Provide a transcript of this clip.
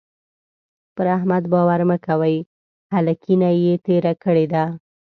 پر احمد باور مه کوئ؛ هلکينه يې تېره کړې ده.